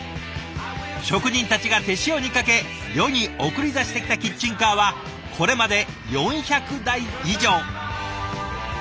職人たちが手塩にかけ世に送り出してきたキッチンカーはこれまで４００台以上。